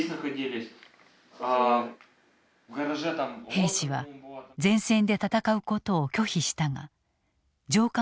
兵士は前線で戦うことを拒否したが上官から脅迫されたという。